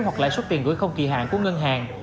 hoặc lãi suất tiền gửi không kỳ hạn của ngân hàng